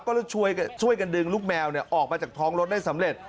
ก็เลยช่วยกันดึงลูกแมวออกมาจากท้องรถได้สำเร็จ